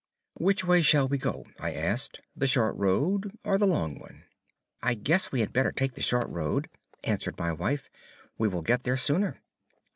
"Which way shall we go," I asked, "the short road or the long one?" "I guess we had better take the short road," answered my wife. "We will get there sooner."